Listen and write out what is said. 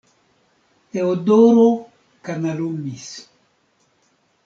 Teodoro kanalumis.